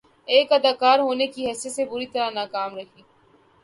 ایک اداکار ہونے کی حیثیت سے بری طرح ناکام رہی